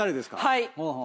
はい！